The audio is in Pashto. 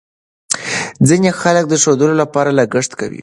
ځینې خلک د ښودلو لپاره لګښت کوي.